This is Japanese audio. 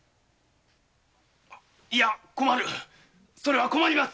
いや困るそれは困ります。